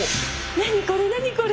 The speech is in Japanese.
何これ何これ？